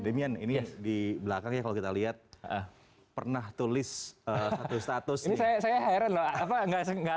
demian ini di belakangnya kalau kita lihat pernah tulis satu status ini saya saya hairan loh apa nggak